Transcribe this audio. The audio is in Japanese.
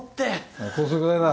おい高速代だ。